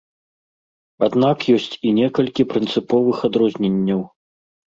Аднак ёсць і некалькі прынцыповых адрозненняў.